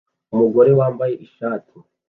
Umugore wambaye ishat